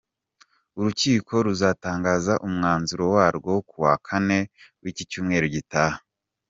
Urukiko ruzatangaza umwanzuro warwo kuwa Kane w’icyumweru gitaha.